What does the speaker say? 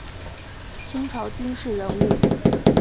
清朝军事人物。